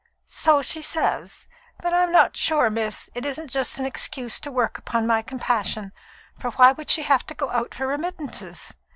"So she says. But I'm not sure, miss, it isn't just an excuse to work upon my compassion, for why should she have to go out for remittances?